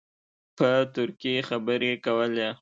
په ترکي خبرې کولې.